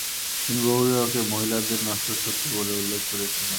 তিনি বহুবিবাহকে "মহিলাদের নশ্বর শত্রু" বলে উল্লেখ করেছিলেন।